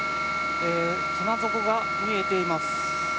船底が見えています。